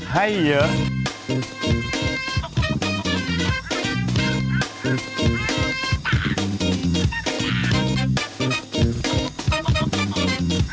ให้เยอะ